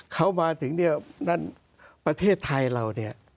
เขามาถึงนั้นประเทศไทยเรา